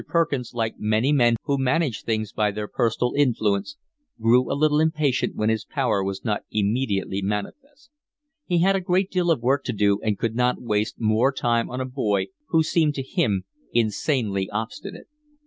Perkins, like many men who manage things by their personal influence, grew a little impatient when his power was not immediately manifest. He had a great deal of work to do, and could not waste more time on a boy who seemed to him insanely obstinate.